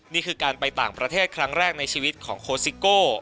นี่คือการไปต่างประเทศครั้งแรกในชีวิตของโคสิโก้